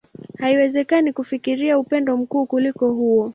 Haiwezekani kufikiria upendo mkuu kuliko huo.